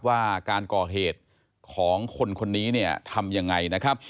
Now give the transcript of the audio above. ว่าการก่อเหตุของคนคนนี้เนี่ยทำยังไงนะครับ